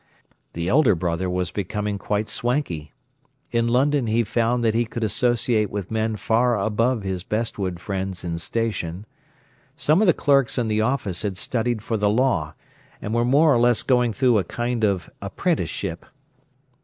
The elder brother was becoming quite swanky. In London he found that he could associate with men far above his Bestwood friends in station. Some of the clerks in the office had studied for the law, and were more or less going through a kind of apprenticeship.